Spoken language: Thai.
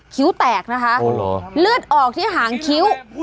คิ้วแตกนะคะเลือดออกที่หางคิ้ว